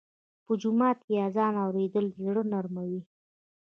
په جومات کې اذان اورېدل زړه نرموي.